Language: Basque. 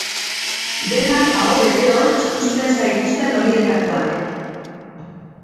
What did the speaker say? Denak aho bete hortz uzten zaituzten horietakoak.